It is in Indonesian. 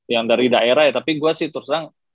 yang dari daerah ya tapi gue sih terusan